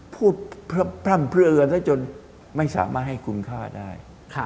พูดพร่ำเพลือกันซะจนไม่สามารถให้คุณค่าได้